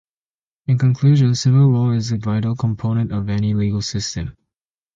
In conclusion, civil law is a vital component of any legal system.